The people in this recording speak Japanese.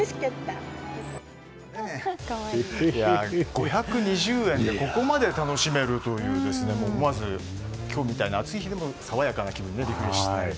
５２０円でここまで楽しめるという思わず今日みたいな暑い日でも爽やかな気分にリフレッシュできる。